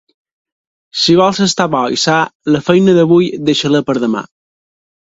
Si vols estar bo i sa, la feina d'avui, deixa-la per demà.